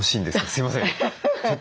すいません。